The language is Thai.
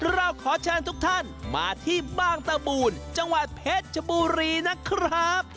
เราขอเชิญทุกท่านมาที่บ้านตะบูนจังหวัดเพชรชบุรีนะครับ